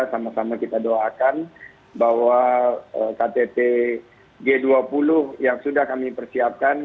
sama sama kita doakan bahwa ktt g dua puluh yang sudah kami persiapkan